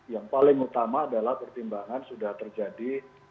yang paling utama adalah pertimbangan sudah terjadi